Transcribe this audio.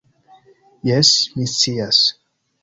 "Jes, mi scias."